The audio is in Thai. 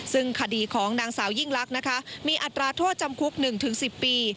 ซึ่งคดีของนางสาวยิ่งลักษณ์นะคะมีอัตราโทษจำคุก๑๑๐ปี